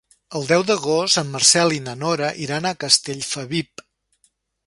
El deu d'agost en Marcel i na Nora iran a Castellfabib.